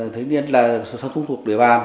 thế nên là xuống thuộc địa bàn